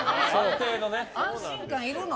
安心感いるの？